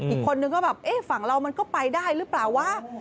อีกคนนึงก็แบบเอ๊ะฝั่งเรามันก็ไปได้หรือเปล่าวะ